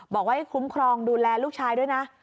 บอกว่าให้คุ้มครองดูแลลูกชายด้วยนะ